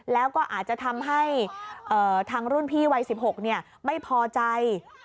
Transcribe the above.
แล้วก็อาจจะทำให้ทางรุ่นพี่วัย๑๖ไม่พอใจ